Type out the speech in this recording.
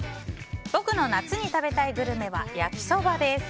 僕の夏に食べたいグルメは焼きそばです。